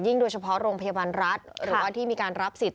โดยเฉพาะโรงพยาบาลรัฐหรือว่าที่มีการรับสิท